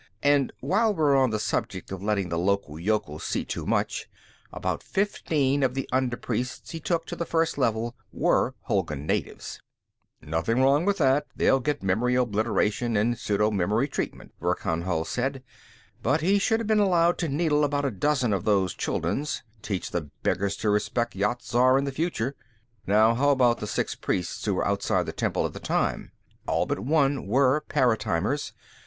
And while we're on the subject of letting the local yokels see too much, about fifteen of the under priests he took to the First Level were Hulgun natives." "Nothing wrong about that: they'll get memory obliteration and pseudo memory treatment," Verkan Vall said. "But he should have been allowed to needle about a dozen of those Chulduns. Teach the beggars to respect Yat Zar in the future. Now, how about the six priests who were outside the temple at the time? All but one were paratimers.